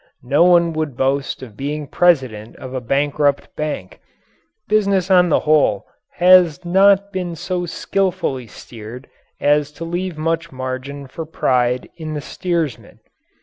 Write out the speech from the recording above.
No one would boast of being president of a bankrupt bank. Business on the whole has not been so skillfully steered as to leave much margin for pride in the steersmen.